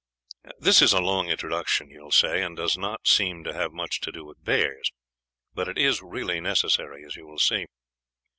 "This is a long introduction, you will say, and does not seem to have much to do with bears; but it is really necessary, as you will see.